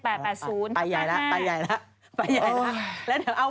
ไปใหญ่แล้ว